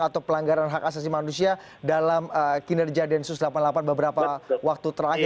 atau pelanggaran hak asasi manusia dalam kinerja densus delapan puluh delapan beberapa waktu terakhir